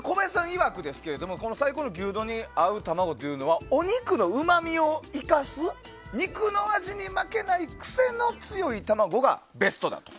いわく最高の牛丼に合う卵というのはお肉のうまみを生かす肉の味に負けないクセの強い卵がベストだと。